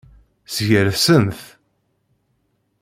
Sgersen-t.